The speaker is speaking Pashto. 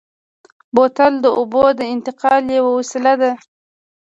بوتل د اوبو د انتقال یوه وسیله ده.